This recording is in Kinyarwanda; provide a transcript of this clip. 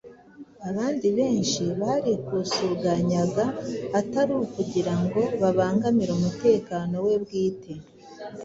abandi benshi barikusuganyaga atari ukugira ngo babangamire umutekano we bwite